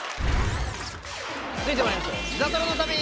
続いてまいりましょう。